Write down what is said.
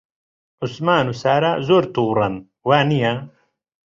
عوسمان و سارا زۆر تووڕەن، وانییە؟